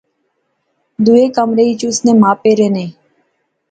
دوئے کمرے اچ اس نے ما پے رہنے